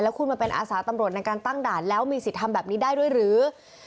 คุณมาเป็นอาสาตำรวจในการตั้งด่านแล้วมีสิทธิ์ทำแบบนี้ได้ด้วยหรือ